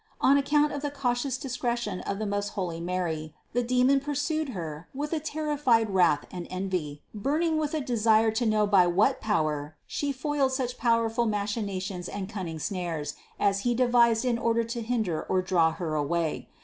On account of the cau tious discretion of the most holy Mary the demon pur sued Her with a terrified wrath and envy, burning with a desire to know by what power She foiled such power ful machinations and cunning snares as he devised in order to hinder or draw Her away.